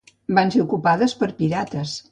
Van ser ocupades per pirates.